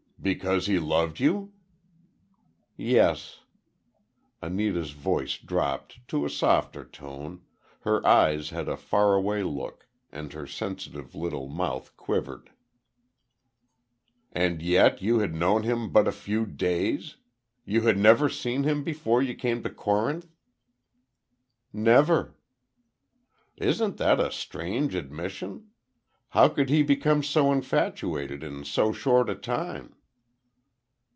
"Because he loved you?" "Yes." Anita's voice dropped to a softer tone, her eyes had a faraway look, and her sensitive little mouth quivered. "Yet you had known him but a few days! You had never seen him before you came to Corinth?" "Never." "Isn't that a strange admission? How could he become so infatuated in so short a time?"